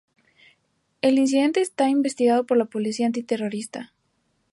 El incidente está siendo investigado por la policía antiterrorista.